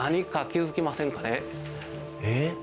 えっ？